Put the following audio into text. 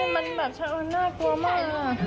มันแบบชะโอนน่ากลัวมาก